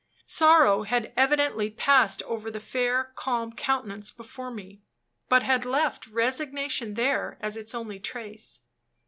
Sorrow had evidently passed over the fair, calm countenance before me, but had left resignation there as its only trace.